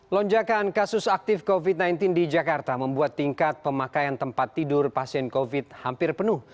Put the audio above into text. lonjakan kasus aktif covid sembilan belas di jakarta membuat tingkat pemakaian tempat tidur pasien covid hampir penuh